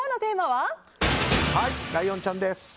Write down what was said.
はい、ライオンちゃんです！